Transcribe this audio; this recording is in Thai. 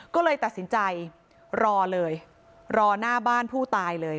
ก็เลยตัดสินใจรอเลยรอหน้าบ้านผู้ตายเลย